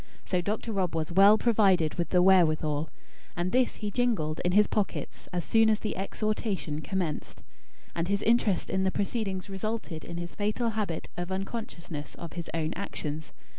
So Dr. Rob was well provided with the wherewithal; and this he jingled in his pockets as soon as the exhortation commenced, and his interest in the proceedings resulted in his fatal habit of unconsciousness of his own actions.